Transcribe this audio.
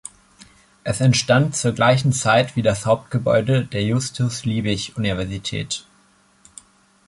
Es entstand zur gleichen Zeit wie das Hauptgebäude der Justus-Liebig-Universität.